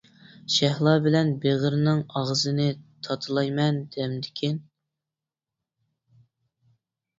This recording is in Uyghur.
شەھلا بىلەن بېغىرنىڭ ئاغزىنى تاتىلايمەن دەمدىكىن.